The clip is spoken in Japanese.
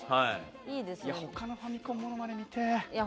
他のファミコンものまね見てえ。